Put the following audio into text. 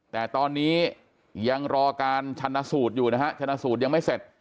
แต่ตอนนี้ยังรอการชันสูตรอยู่นะฮะชนะสูตรยังไม่เสร็จ